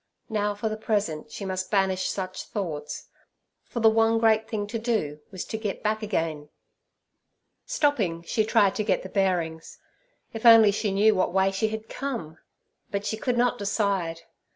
Now for the present she must banish such thoughts, for the one great thing to do was to get back again. Stopping, she tried to get the bearings. If only she knew what way she had come! But she could not decide.